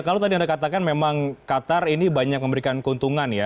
kalau tadi anda katakan memang qatar ini banyak memberikan keuntungan ya